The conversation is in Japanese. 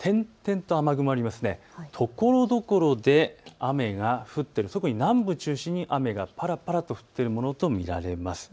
ところどころで雨が降って、特に南部を中心に雨がぱらぱら降っているものと見られます。